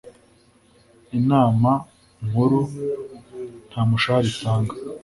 Inama nkuru nta mushahara itanga